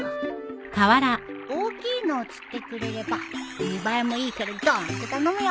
大きいのを釣ってくれれば見映えもいいからドンと頼むよ。